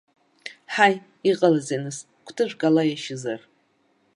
Ҳаи, иҟалазеи нас, кәтыжәк ала иашьызар?